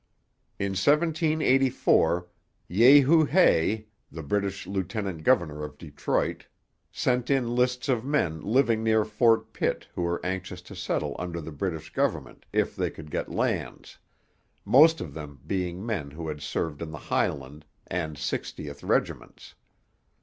In 1784 Jehu Hay, the British lieutenant governor of Detroit, sent in lists of men living near Fort Pitt who were anxious to settle under the British government if they could get lands, most of them being men who had served in the Highland and 60th regiments.